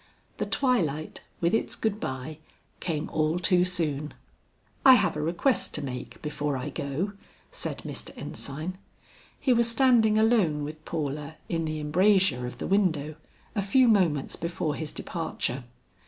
The twilight, with its good bye, came all too soon. "I have a request to make before I go," said Mr. Ensign. He was standing alone with Paula in the embrasure of the window, a few moments before his departure.